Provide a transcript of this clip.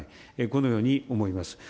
このように思います。